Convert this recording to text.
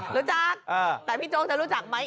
รู้จักแต่พี่โจ๊กจะรู้จักไหม